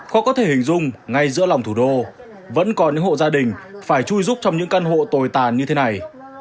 khó có thể hình dung ngay giữa lòng thủ đô vẫn còn những hộ gia đình phải chui giúp trong những căn hộ tồi tàn như thế này